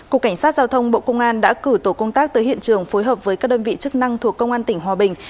cục cảnh sát giao thông bộ công an đã cử tổ công tác tới hiện trường phối hợp với các đơn vị chức năng thuộc công an tỉnh hòa bình